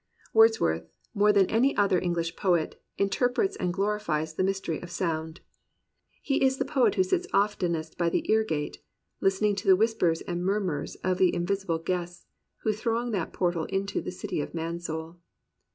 Wordsworth, more than any other English poet, interprets and glorifies the mystery of sound. He is the poet who sits oftenest by the Ear Gate lis tening to the whispers and murmurs of the invisible guests who throng that portal into "the city of Man Soul."